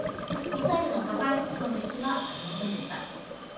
ミサイルの破壊措置の実施はありませんでした。